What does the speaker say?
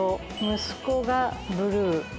息子がブルー。